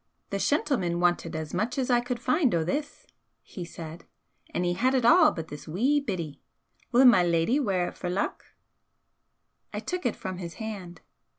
"The shentleman wanted as much as I could find o' this," he said "An' he had it a' but this wee bittie. Will my leddy wear it for luck?" I took it from his hand.